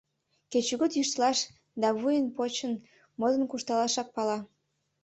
Кечыгут йӱштылаш да вуйын-почын модын куржталашак пала.